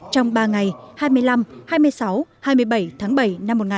trong ba ngày hai mươi năm